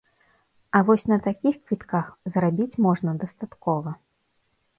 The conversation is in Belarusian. А вось на такіх квітках зарабіць можна дастаткова.